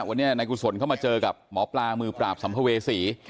วันนี้นายกุศลเข้ามาเจอกับหมอปลามือปราบสัมภเวษี